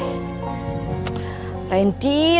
kamu tuh ngeyel ya kalau dibilangin mama